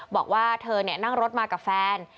บอกว่าเธอนั่งรถมากับแฟน